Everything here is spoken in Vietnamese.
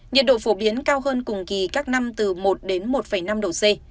nhiệt độ phổ biến cao hơn cùng kỳ các năm từ một đến một năm độ c